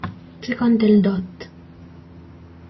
Secondo il Dott.